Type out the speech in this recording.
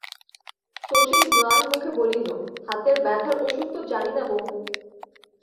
শশী ম্লানমুখে বলিল, হাতের ব্যথার ওষুধ তো জানি না বৌ।